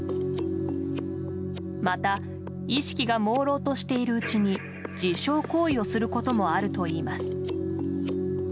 また、意識がもうろうとしているうちに自傷行為をすることもあるといいます。